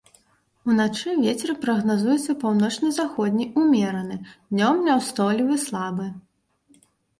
Уначы вецер прагназуецца паўночна-заходні ўмераны, днём няўстойлівы слабы.